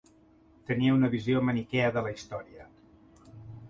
Tenia una visió maniquea de la història.